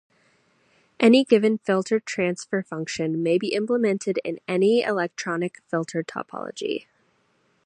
Any given filter transfer function may be implemented in any electronic filter topology.